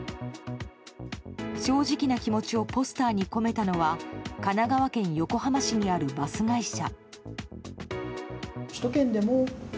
正直な気持ちをポスターに込めたのは神奈川県横浜市にあるバス会社。